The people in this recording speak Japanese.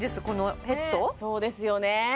このヘッドそうですよね